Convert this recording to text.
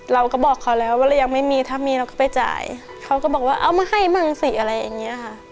เราก็บอกเขาแล้วว่าเรายังไม่มีถ้ามีเราก็ไปจ่ายเขาก็บอกว่าเอามาให้มั่งสิอะไรอย่างเงี้ยค่ะ